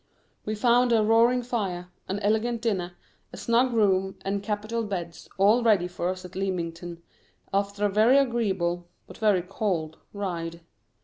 We found a roaring fire, an elegant dinner, a snug room, and capital beds all ready for us at Leamington, after a very agreeable (but very cold) ride.